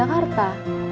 lagi ke jakarta